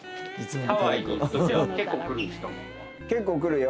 結構来るよ。